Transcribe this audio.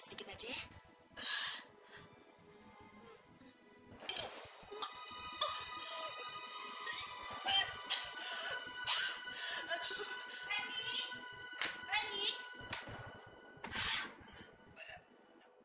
sedikit sedikit aja ya